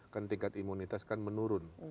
kan tingkat imunitas kan menurun